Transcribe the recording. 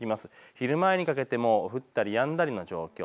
昼前にかけても降ったりやんだりの状況。